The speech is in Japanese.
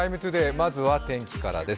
まずは天気からです。